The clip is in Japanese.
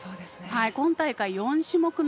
今大会、４種目め。